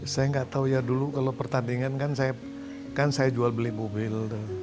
saya nggak tahu ya dulu kalau pertandingan kan saya jual beli mobil